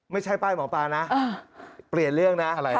ไม่ใช่ป้ายหมอปลานะเปลี่ยนเรื่องนะอะไร